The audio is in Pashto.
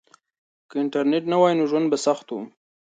که انټرنيټ نه وای ژوند به سخت و.